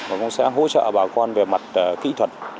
và cũng sẽ hỗ trợ bà con về mặt kỹ thuật